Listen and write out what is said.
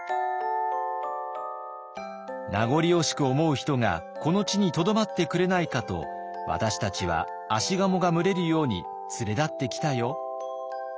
「名残惜しく思う人がこの地にとどまってくれないかと私たちは葦鴨が群れるように連れ立ってきたよ」。